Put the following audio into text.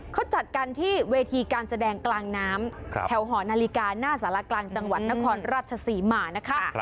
เขาจัดกันที่เวทีการแสดงกลางน้ำแถวหอนาฬิกาหน้าสารกลางจังหวัดนครราชศรีมานะคะ